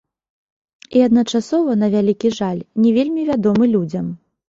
І адначасова, на вялікі жаль, не вельмі вядомы людзям.